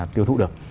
tiêu thụ được